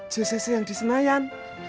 jcc yang di senayan